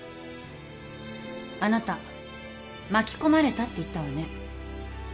あなた「巻き込まれた」って言ったわね。